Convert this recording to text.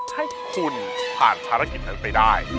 ให้คุณผ่านภารกิจนั้นไปได้